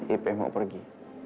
ipih mau pergi